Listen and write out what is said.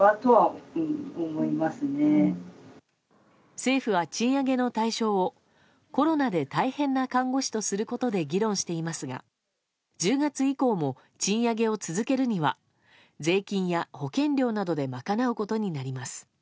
政府は賃上げの対象をコロナで大変な看護師とすることで議論していますが１０月以降も賃上げを続けるには税金や保険料などで賄うことになります。